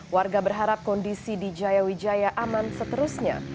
warga berharap kondisi di jaya wijaya aman seterusnya